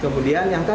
kemudian yang kedua